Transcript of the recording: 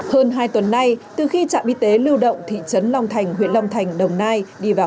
hơn hai tuần nay từ khi trạm y tế lưu động thị trấn long thành huyện long thành đồng nai đi vào